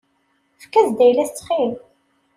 Efk-as-d ayla-s ttxil-m.